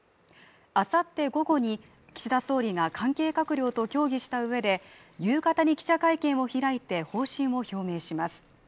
あさって午後に岸田総理が関係閣僚と協議したうえで夕方に記者会見を開いて方針を表明します